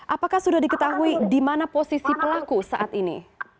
apakah sudah diketahui di mana posisi pelaku saat ini